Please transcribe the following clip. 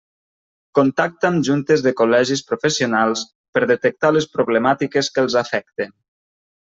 Contacta amb juntes de col·legis professionals per detectar les problemàtiques que els afecten.